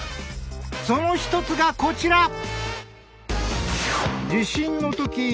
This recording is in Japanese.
その一つがこちら！